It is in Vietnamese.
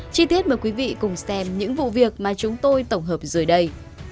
chi tiết mời quý vị cùng xem những vụ việc mà chúng tôi tổng hợp rời đây